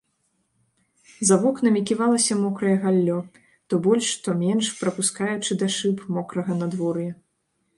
За вокнамі ківалася мокрае галлё, то больш, то менш прапускаючы да шыб мокрага надвор'я.